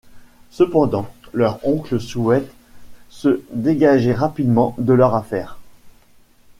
Cependant, leur oncle souhaite se dégager rapidement de leur affaire.